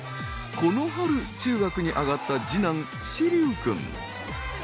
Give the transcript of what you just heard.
この春中学に上がった２男獅琉君。